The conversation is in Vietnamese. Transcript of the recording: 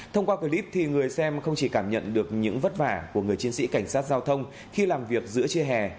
thông qua clip thì người xem không chỉ cảm nhận được những vất vả của người chiến sĩ cảnh sát giao thông khi làm việc giữa chia hè